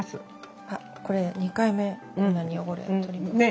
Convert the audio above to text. あこれ２回目こんなに汚れ取れ。ね！